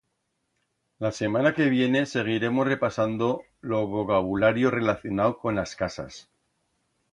La semana que viene seguiremos repasando lo vocabulario relacionau con as casas.